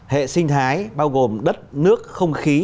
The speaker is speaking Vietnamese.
hệ sinh thái bao gồm đất nước không khí